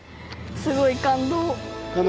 すごい感動。